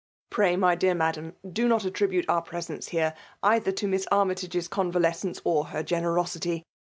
''Pray, my dear madam, do not attribute our presence here either to Miss Aimytage's convalescence, or her generosity